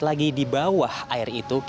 lagi di bawah air itu